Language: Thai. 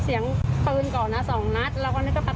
แล้วตำรวจก็เอาฟื้นมาเจาะคนขับอ่ะให้ลงมา